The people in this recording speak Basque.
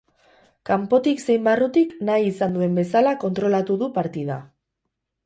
Kanpotik zein barrutik, nahi izan duen bezala kontrolatu du partida.